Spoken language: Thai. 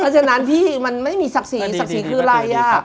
เพราะฉะนั้นพี่มันไม่มีสักสีสักสีคือร่ายยาก